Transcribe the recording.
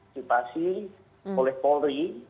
situasi oleh polri